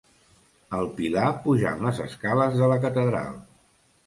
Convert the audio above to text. El Pilar pujant les escales de la catedral.